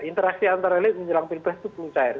interaksi antara elit menyerang pilpres itu perlu cair